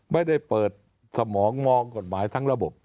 ไม่ได้เปิดสมองมองกฎหมายทั้งระบบ